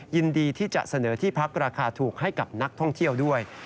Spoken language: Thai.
ยินดีที่จะเสนอที่พักราคาถูกให้กับนักท่องเที่ยวด้วย